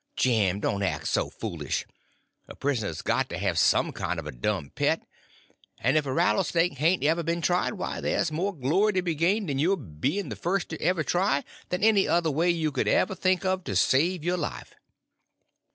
"Jim, don't act so foolish. A prisoner's got to have some kind of a dumb pet, and if a rattlesnake hain't ever been tried, why, there's more glory to be gained in your being the first to ever try it than any other way you could ever think of to save your life."